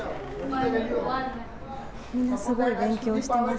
みんな、すごい勉強してますね。